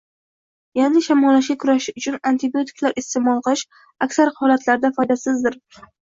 Ya’ni shamollashga kurashish uchun antibiotiklar iste’mol qilish aksar holatlarda foydasizdir!